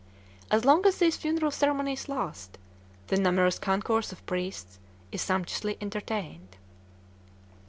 As long as these funeral ceremonies last, the numerous concourse of priests is sumptuously entertained.